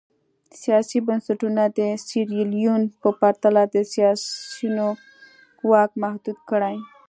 سیاسي بنسټونه د سیریلیون په پرتله د سیاسیونو واک محدود کړي.